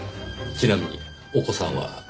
ちなみにお子さんは？